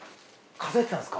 数えてたんですか。